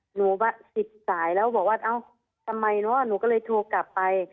หนูติดสายแล้วบอกว่าเอ้าทำไมเนอะหนูก็เลยโทรกลับไป